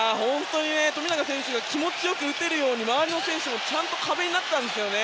富永選手が気持ち良く打てるように周りの選手もちゃんと壁になったんですよね。